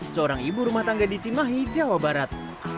seorang ibu rumah tangga di cimahi jawa barat